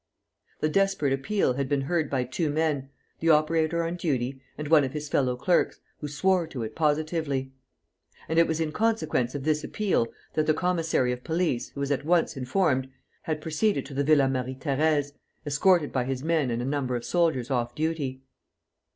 The desperate appeal had been heard by two men, the operator on duty and one of his fellow clerks, who swore to it positively. And it was in consequence of this appeal that the commissary of police, who was at once informed, had proceeded to the Villa Marie Thérèse, escorted by his men and a number of soldiers off duty.